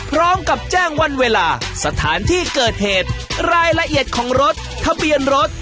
พร้อมกับแจ้งวันเวลาสถานที่เกิดเหตุรายละเอียดของรถทะเบียนรถ